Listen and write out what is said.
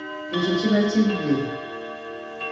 Ekyo kiba kivve.